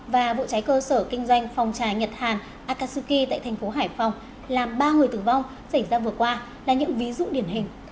và vụ cháy cơ sở kinh doanh phòng cháy nhật hàng akatsuki tại tp hải phòng làm ba người tử vong xảy ra vừa qua là những ví dụ điển hình